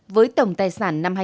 với tổng tài sản năm hai nghìn